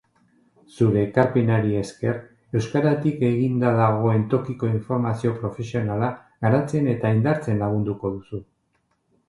Zure ekarpenari esker, euskaratik eginda dagoen tokiko informazio profesionala garatzen eta indartzen lagunduko duzu.